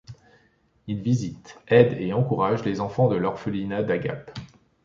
Il visite, aide et encourage les enfants de l'orphelinat d'Agape.